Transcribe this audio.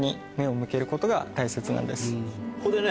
ここでね